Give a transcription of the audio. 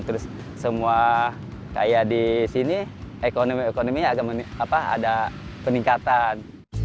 terus semua kayak disini ekonomi ekonomi ada peningkatan